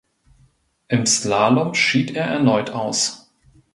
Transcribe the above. Im Slalom schied er erneut aus.